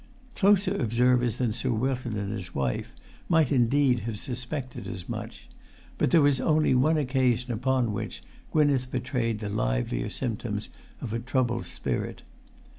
Closer observers than Sir Wilton and his wife might indeed have suspected as much; but there was only one occasion upon which Gwynneth betrayed the livelier symptoms of a troubled spirit.